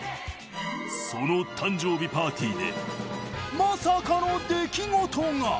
その誕生日パーティーでまさかの出来事が！